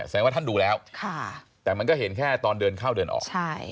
ว่าท่านดูแล้วแต่มันก็เห็นแค่ตอนเดินเข้าเดินออก